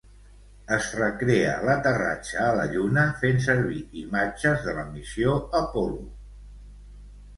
Es recrea l'aterratge a la Lluna fent servir imatges de la missió Apollo.